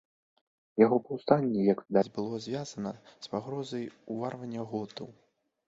Яго паўстанне, як відаць, было звязана з пагрозай уварвання готаў.